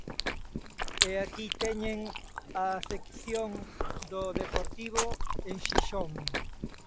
E aquí teñen a afección do Deportivo en Xixón.